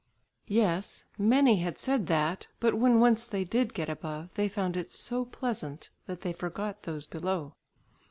Yes many had said that, but when once they did get above, they found it so pleasant, that they forgot those below.